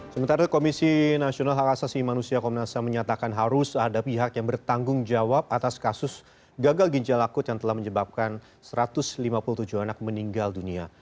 sementara itu komisi nasional hak asasi manusia komnas ham menyatakan harus ada pihak yang bertanggung jawab atas kasus gagal ginjal akut yang telah menyebabkan satu ratus lima puluh tujuh anak meninggal dunia